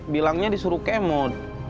bilangnya disuruh kemod